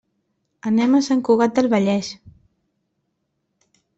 Anem a Sant Cugat del Vallès.